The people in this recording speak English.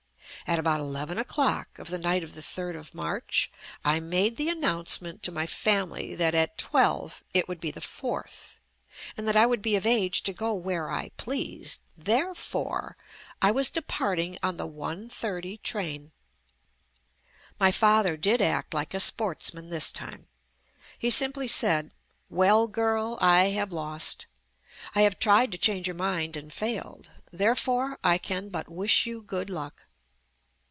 At about/ eleven o'clock of the night of the 3rd of March, I made the announcement to my fam ily that at twelve it would be the fourth, and that I would be of age to go where I pleased, therefore, I was departing on the 1:30 train. My father did act like a sportsman this time. He simply said, "Well, girl, I have lost. I have tried to change your mind and failed. Therefore, I can but wish you good luck."